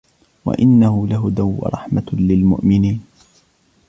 وإنه لهدى ورحمة للمؤمنين